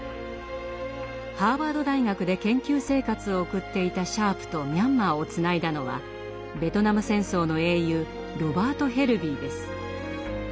ハーバード大学で研究生活を送っていたシャープとミャンマーをつないだのはベトナム戦争の英雄ロバート・ヘルヴィーです。